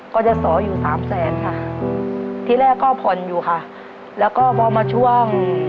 ก็จะสออยู่สามแสนค่ะที่แรกก็ผ่อนอยู่ค่ะแล้วก็พอมาช่วง